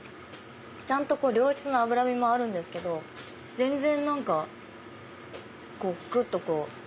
ちゃんと良質な脂身もあるんですけど全然何かぐっとこう。